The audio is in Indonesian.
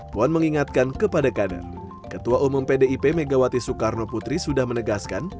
puan mengingatkan kepada kader ketua umum pdip megawati soekarno putri sudah menegaskan